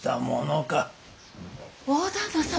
大旦那様。